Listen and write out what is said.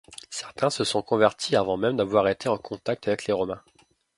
Certains se sont convertis avant même d'avoir été en contact avec les Romains.